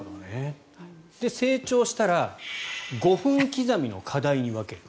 成長したら５分刻みの課題に分ける。